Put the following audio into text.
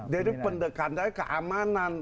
jadi pendekatannya keamanan